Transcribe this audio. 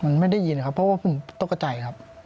มันไม่ได้ยินนะครับเพราะว่าผมตกกระใจครับ